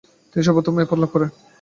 তিনি সর্বপ্রথম এই পদ লাভ করেন।